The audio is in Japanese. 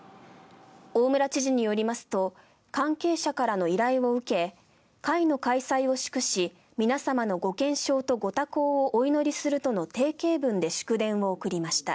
大村知事によりますと関係者からの依頼を受け会の開催を祝し皆様のご健勝とご多幸をお祈りするとの定型文で祝電を送りました。